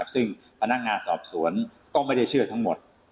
ซึ่งพนักงานสอบสวนก็ไม่ได้เชื่อทั้งหมด